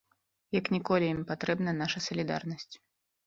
Як ніколі ім патрэбна наша салідарнасць.